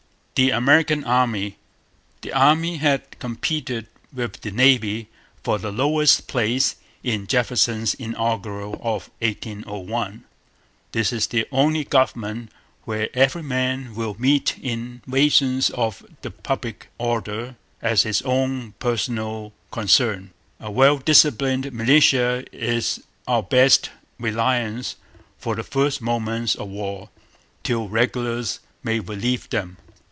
The American Army. The Army had competed with the Navy for the lowest place in Jefferson's Inaugural of 1801. 'This is the only government where every man will meet invasions of the public order as his own personal concern... A well disciplined militia is our best reliance for the first moments of war, till regulars may relieve them.'